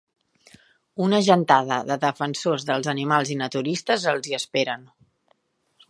Una gentada de defensors dels animals i naturistes els hi esperen.